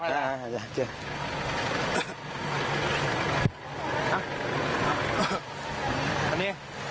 อันนี้